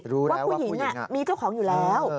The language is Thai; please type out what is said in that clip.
รู้แล้วว่าผู้หญิงมีเจ้าของอยู่แล้ว